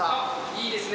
いいですね。